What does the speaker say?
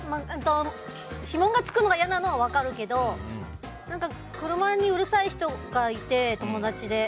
指紋が付くのが嫌なのは分かるけど車にうるさい人がいて、友達で。